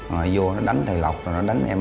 rồi vô nó đánh thầy lọc rồi nó đánh em